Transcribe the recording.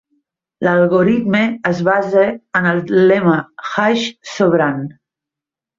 L'algoritme es basa en el lema hash sobrant.